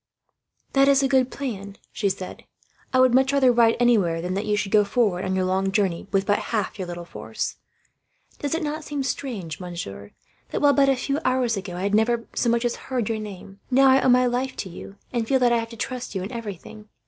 "That is a good plan," she said. "I would much rather hide anywhere, than that you should go forward on your long journey with but half your little force. Does it not seem strange, monsieur, that while, but a few hours ago, I had never so much as heard your name, now I owe my life to you, and feel that I have to trust to you in everything?